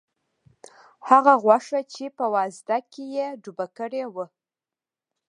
هغه غوښه چې په وازده کې یې ډوبه کړې وه.